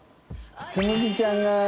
つむぎちゃんが拳王と。